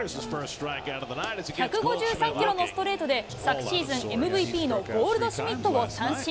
１５３キロのストレートで、昨シーズンＭＶＰのゴールドシュミットを三振。